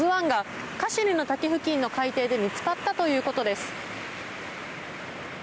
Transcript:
「ＫＡＺＵ１」カシュニの滝付近の海底で見つかったということです。